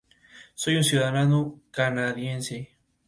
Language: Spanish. Soy un ciudadano canadiense.